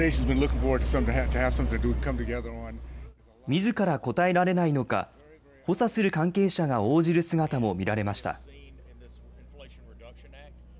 みずから答えられないのか、補佐する関係者が応じる姿も見られました。